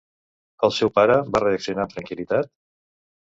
El seu pare va reaccionar amb tranquil·litat?